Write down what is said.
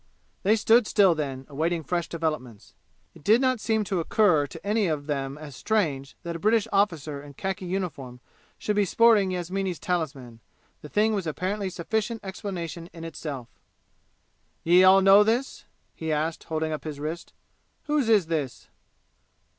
They stood still then, awaiting fresh developments. It did not seem to occur to any one of them as strange that a British officer in khaki uniform should be sporting Yasmini's talisman; the thing was apparently sufficient explanation in itself. "Ye all know this?" he asked, holding up his wrist. "Whose is this?"